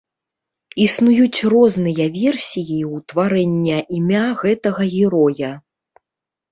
Існуюць розныя версіі ўтварэння імя гэтага героя.